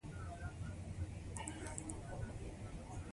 موږ باید دا طریقه خپله کړو.